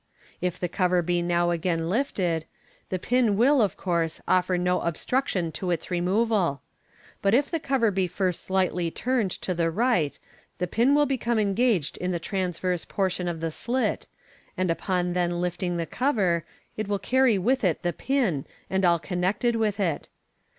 If the cover be now z^ain lifted, the pin will, of course, offer no obstruction to its removal ; but if the cover be first slightly turned to the right, the pin will be come engaged in the transverse portion of the slit, and upon then lift ing the cover, it will carry with it the pin, and all connected with it.